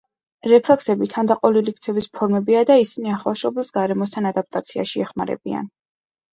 რეფლექსები თანდაყოლილი ქცევის ფორმებია და ისინი ახალშობილს გარემოსთან ადაპტაციაში ეხმარებიან.